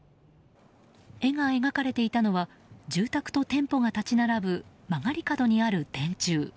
絵が描かれていたのは住宅と店舗が立ち並ぶ曲がり角にある電柱。